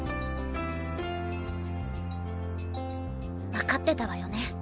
わかってたわよね。